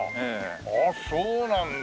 あっそうなんだ。